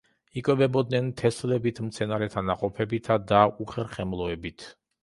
იკვებებოდნენ თესლებით, მცენარეთა ნაყოფებითა და უხერხემლოებით.